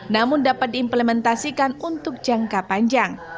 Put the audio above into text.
namun dapat diimplementasikan untuk jangka panjang